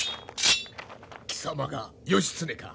貴様が義経か？